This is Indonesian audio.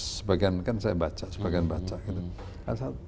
sebagian kan saya baca sebagian baca gitu